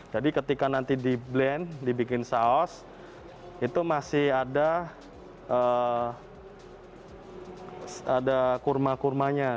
jadi ketika nanti di blend dibikin saus itu masih ada kurma kurmanya